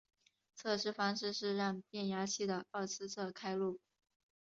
测试方式是让变压器的二次侧开路。